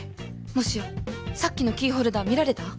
もしやさっきのキーホルダー見られた？